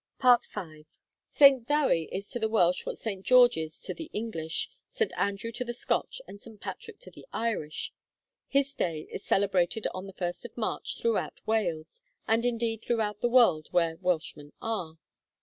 V. St. Dewi is to the Welsh what St. George is to the English, St. Andrew to the Scotch, and St. Patrick to the Irish. His day is celebrated on the 1st of March throughout Wales, and indeed throughout the world where Welshmen are.